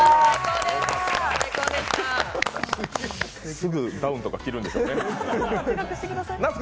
すぐダウンとか着るんでしょうね。